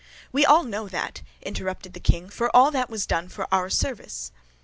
"We all know that," interrupted the king; "for all that was done for our service."